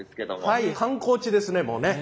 はい観光地ですねもうね。